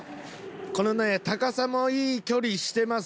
このね高さもいい距離してます。